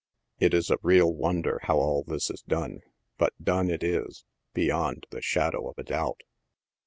It is a real wonder how ail this is done — but done it is, beyond the shadow of a doubt.